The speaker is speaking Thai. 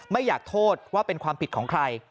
ไม่อยากโทษว่าเป็นความผิดของใคร